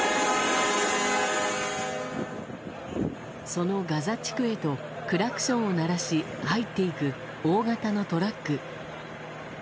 そのガザ地区へとクラクションを鳴らし入っていく大型のトラック。